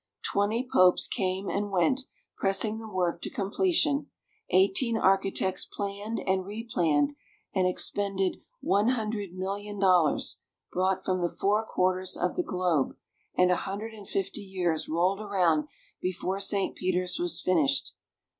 Twenty popes came and went, pressing the work to completion; eighteen architects planned and replanned, and expended $100,000,000, brought from the four quarters of the globe; and a hundred and fifty years rolled around before St. Peter's was finished.